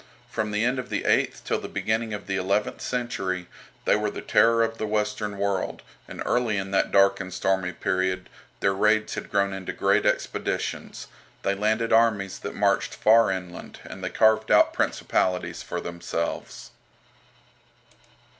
From the end of the eighth till the beginning of the eleventh century they were the terror of the western world, and early in that dark and stormy period their raids had grown into great expeditions; they landed armies that marched far inland, and they carved out principalities for themselves.